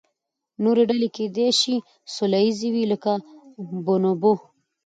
نورې ډلې کیدای شي سوله ییزې وي، لکه بونوبو.